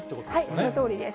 そのとおりです。